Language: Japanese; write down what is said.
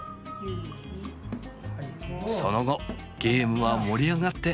その後ゲームは盛り上がって。